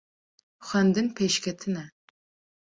xwendin pêşketin e